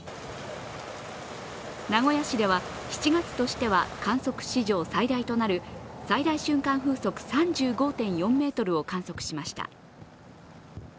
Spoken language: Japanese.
名古屋市では７月としては観測史上最大となる最大瞬間風速３５．４メートルを観測しました。